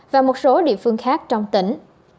và một số địa phương khác trong tỉnh